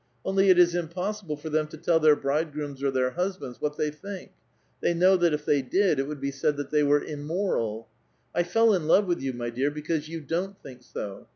Only it is impossible for them to tell their bridegrooms or their husbands what they think ; tlie}' know that if they did, it would be said that they were immoral. I fell in love with 3'ou, my dear, because you don't think so.